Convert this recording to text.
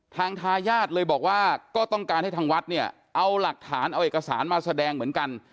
ทายาทเลยบอกว่าก็ต้องการให้ทางวัดเนี่ยเอาหลักฐานเอาเอกสารมาแสดงเหมือนกัน